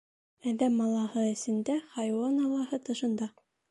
Әҙәм алаһы эсендә, хайуан алаһы тышында.